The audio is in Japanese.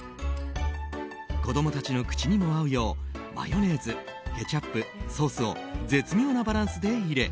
子供たちの口にも合うようマヨネーズ、ケチャップソースを絶妙なバランスで入れ